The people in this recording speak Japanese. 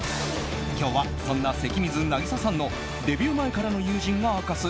今日はそんな関水渚さんのデビュー前からの友人が明かす